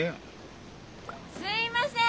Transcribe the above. すいません！